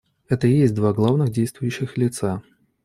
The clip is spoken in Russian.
Это и есть два главных действующих лица.